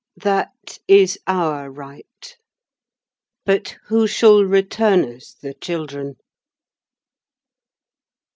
That is our right. But who shall return us the children?